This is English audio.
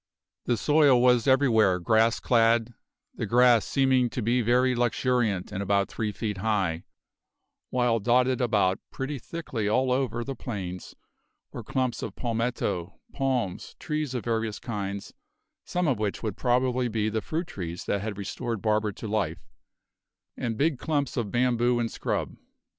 The soil was everywhere grass clad, the grass seeming to be very luxuriant and about three feet high, while dotted about pretty thickly all over the plains were clumps of palmetto, palms, trees of various kinds some of which would probably be the fruit trees that had restored Barber to life and big clumps of bamboo and scrub.